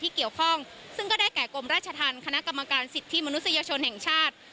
เกี่ยวข้องซึ่งก็ได้แก่กรมราชธรรมคณะกรรมการสิทธิมนุษยชนแห่งชาติ